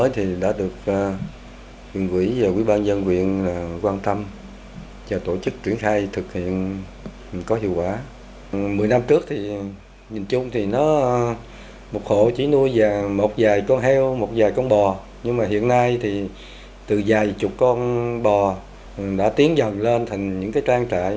thì từ vài chục con bò đã tiến dần lên thành những cái trang trại